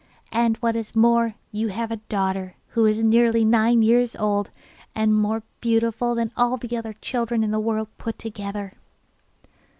'And, what is more, you have a daughter who is nearly nine years old, and more beautiful than all the other children in the world put together.